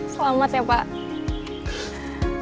selamat ya pak